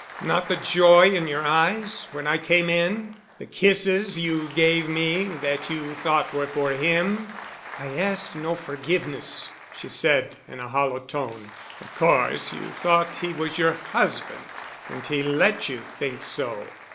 "Not the joy in your eyes when I came in? The kisses you gave me that you thought were for him?" "I ask no forgiveness," she said in a hollow tone. "Of course you thought he was your husband. And he let you think so."